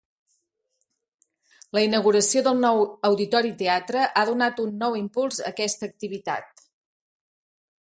La inauguració del nou Auditori Teatre ha donat un nou impuls a aquesta activitat.